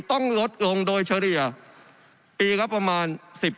ต้องลดลงโดยเฉลี่ยปีก็ประมาณ๑๐